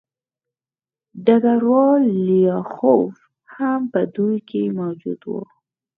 ډګروال لیاخوف هم په دوی کې موجود و